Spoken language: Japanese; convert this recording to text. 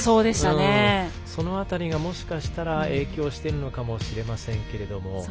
その辺りがもしかしたら影響しているのかもしれませんが。